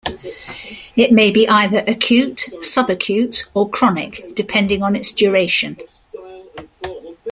It may be either acute, subacute or chronic depending on its duration.